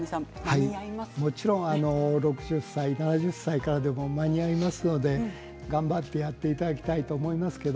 もちろん６０歳７０歳からでも間に合いますので頑張ってやっていただきたいと思います。